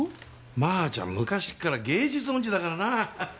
まーちゃん昔から芸術オンチだからな。